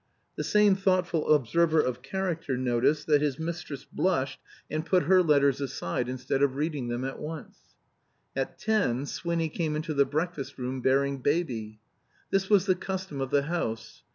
The same thoughtful observer of character noticed that his mistress blushed and put her letters aside instead of reading them at once. At ten Swinny came into the breakfast room, bearing Baby. This was the custom of the house.